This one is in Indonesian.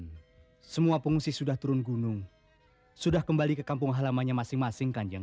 ini semua pengungsi sudah turun gunung sudah kembali ke kampung halamannya masing masing kanjeng